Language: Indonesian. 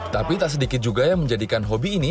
tapi tak sedikit juga yang menjadikan hobi ini